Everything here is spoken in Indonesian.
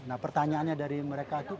nah pertanyaannya dari mereka itu